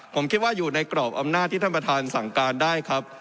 ผมคิดว่าอยู่ในกรอบอำนาจที่ท่านประธานสั่งการได้ครับ